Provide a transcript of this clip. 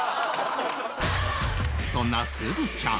そんなすずちゃん